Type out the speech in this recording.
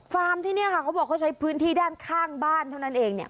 ที่เนี่ยค่ะเขาบอกเขาใช้พื้นที่ด้านข้างบ้านเท่านั้นเองเนี่ย